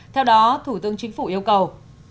theo đó thủ tướng chính phủ yêu cầu